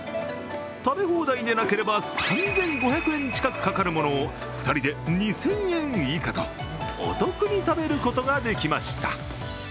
食べ放題でなければ３５００円近くかかるものを２人で２０００円以下と、お得に食べることができました。